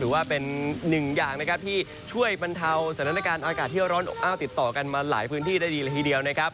ถือว่าเป็นหนึ่งอย่างนะครับที่ช่วยบรรเทาสถานการณ์อากาศที่ร้อนอบอ้าวติดต่อกันมาหลายพื้นที่ได้ดีละทีเดียวนะครับ